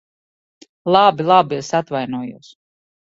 Labi, labi. Es atvainojos.